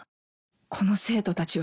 この生徒たちは。